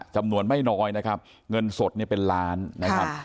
จำนวนไม่น้อยนะครับเงินสดเนี่ยเป็นล้านนะครับ